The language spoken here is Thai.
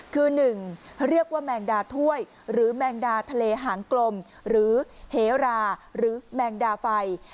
คือ๑เรียกว่าแมงดาถ้วยหรือแมงดาทะเลหางกลมหรือเหราหรือแมงดาไฟ